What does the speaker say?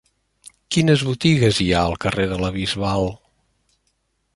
Quines botigues hi ha al carrer de la Bisbal?